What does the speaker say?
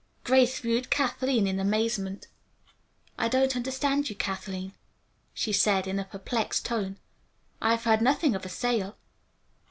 Grace viewed Kathleen in amazement. "I don't understand you, Kathleen," she said, in a perplexed tone. "I have heard nothing of a sale."